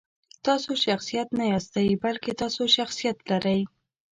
تاسو شخصیت نه یاستئ، بلکې تاسو شخصیت لرئ.